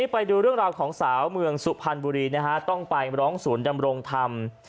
ไปดูเรื่องราวของสาวเมืองสุพรรณบุรีนะฮะต้องไปร้องศูนย์ดำรงธรรม